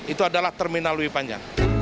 itu adalah terminal lewi panjang